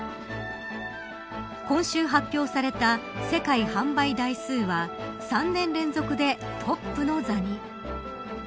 今週発表された世界販売台数は３年連続でトップの座に。